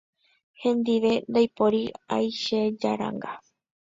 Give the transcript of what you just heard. Hendive ndaipóri aichejáranga